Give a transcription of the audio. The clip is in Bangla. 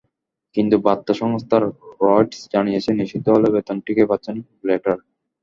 কিন্তু বার্তা সংস্থা রয়টার্স জানিয়েছে, নিষিদ্ধ হলেও বেতন ঠিকই পাচ্ছেন ব্ল্যাটার।